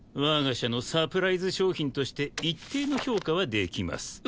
我が社のサプライズ商品として一定の評価はできます。